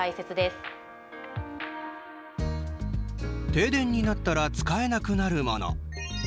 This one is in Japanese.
停電になったら使えなくなるもの。